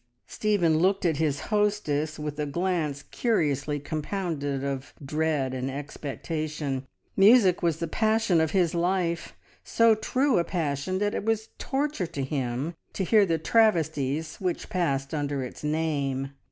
Stephen looked at his hostess with a glance curiously compounded of dread and expectation. Music was the passion of his life, so true a passion that it was torture to him to hear the travesties which passed under its name.